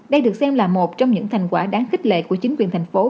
đây được xem là một trong những thành quả đáng khích lệ của chính quyền tp hcm